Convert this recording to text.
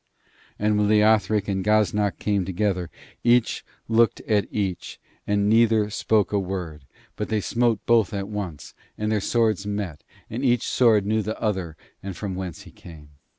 And when Leothric and Gaznak came together, each looked at each, and neither spoke a word; but they smote both at once, and their swords met, and each sword knew the other and from whence he came.